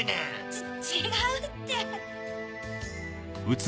ち違うって。